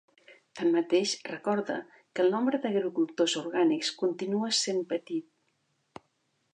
Tanmateix, recorde que el nombre d'agricultors orgànics continua sent petit.